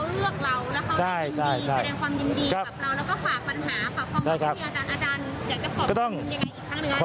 แล้วก็ขอบปัญหาขอบความรักที่อาจารย์อาจารย์อยากจะขอบคุณยังไงอีกครั้งหนึ่ง